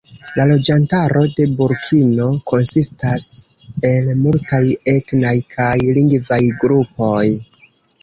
La loĝantaro de Burkino konsistas el multaj etnaj kaj lingvaj grupoj.